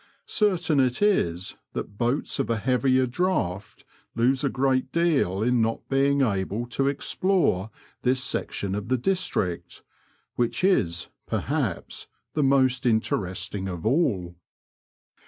Certain it is that boats of a heavier draught lose a great deal in not being able to explore this section of the district, which is, perhaps, the most interesting of all.